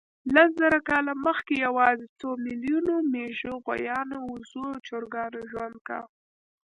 لس زره کاله مخکې یواځې څو میلیونو مېږو، غویانو، اوزو او چرګانو ژوند کاوه.